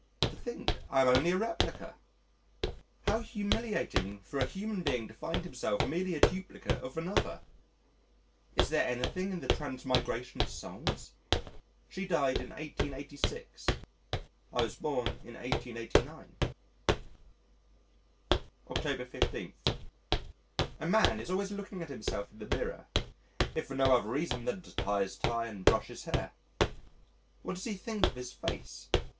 To think I am only a replica: how humiliating for a human being to find himself merely a duplicate of another. Is there anything in the transmigration of souls? She died in 1886. I was born in 1889. October 15. A man is always looking at himself in the mirror if for no other reason than to tie his tie and brush his hair. What does he think of his face?